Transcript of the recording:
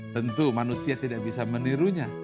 tentu manusia tidak bisa menirunya